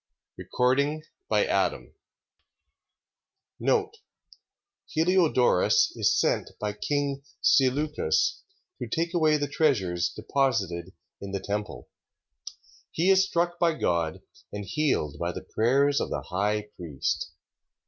2 Machabees Chapter 3 Heliodorus is sent by king Seleucus to take away the treasures deposited in the temple. He is struck by God, and healed by the prayers of the high priest.